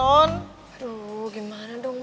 aduh gimana dong